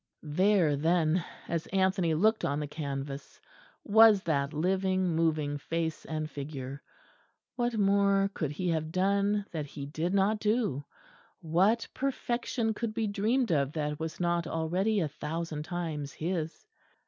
There, then, as Anthony looked on the canvas, was that living, moving face and figure. What more could He have done that He did not do? What perfection could be dreamed of that was not already a thousand times His?